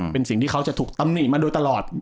เป็นสิ่งที่เขาจะถูกตำหนิมาโดยตลอด